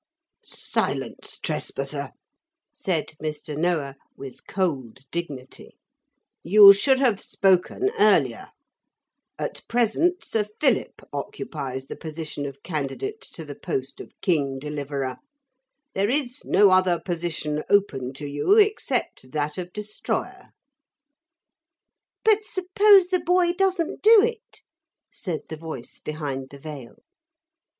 'Silence, trespasser,' said Mr. Noah, with cold dignity. 'You should have spoken earlier. At present Sir Philip occupies the position of candidate to the post of King Deliverer. There is no other position open to you except that of Destroyer.' [Illustration: 'Silence, trespasser,' said Mr. Noah, with cold dignity.] 'But suppose the boy doesn't do it?' said the voice behind the veil.